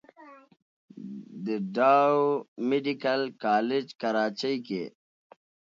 د ډاؤ ميديکل کالج کراچۍ کښې